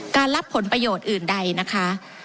รับผลประโยชน์อื่นใดนะคะ